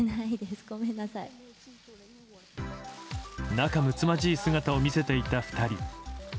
仲むつまじい姿を見せていた２人。